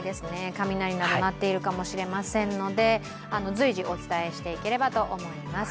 雷など鳴っているかもしれませんので、随時お伝えしていければと思います。